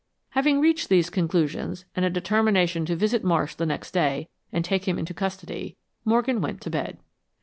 Having reached these conclusions, and a determination to visit Marsh the next day and take him into custody, Morgan went to bed.